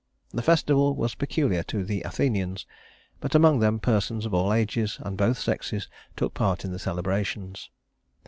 The festival was peculiar to the Athenians, but among them persons of all ages and both sexes took part in the celebrations.